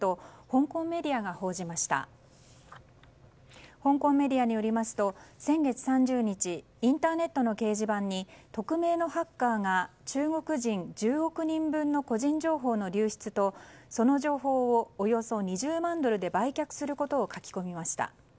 香港メディアによりますと先月３０日インターネットの掲示板に匿名のハッカーが中国人１０億人分の個人情報の流出とその情報を、およそ２０万ドルで売却することを書き込みました。